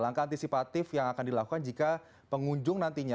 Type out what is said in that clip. langkah antisipatif yang akan dilakukan jika pengunjung nantinya